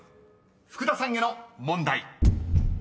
福田さんへの問題］